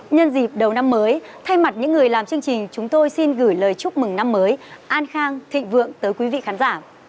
nhân dịp đầu năm mới thay mặt những người làm chương trình chúng tôi xin gửi lời chúc mừng năm mới an khang thịnh vượng tới quý vị khán giả